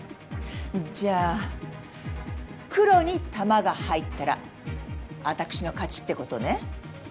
じゃあ黒に球が入ったら私の勝ちってことね。